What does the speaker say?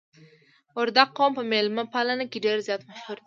وردګ قوم په میلمه پالنه کې ډیر زیات مشهور دي.